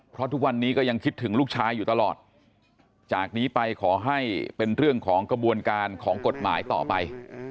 เพราะทุกวันนี้ก็ยังคิดถึงลูกชายอยู่ตลอดจากนี้ไปขอให้เป็นเรื่องของกระบวนการของกฎหมายต่อไป